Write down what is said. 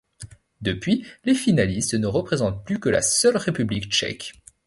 Depuis, les finalistes ne représentent plus que la seule République tchèque.